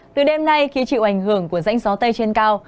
từ đêm nay khi chịu ảnh hưởng của rãnh gió tây trên cao